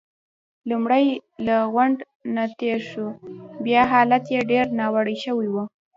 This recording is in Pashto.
لومړی له غونډ نه تېر شوو، چې حالت يې ډېر ناوړه شوی وو.